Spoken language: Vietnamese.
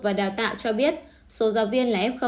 và đào tạo cho biết số giáo viên là f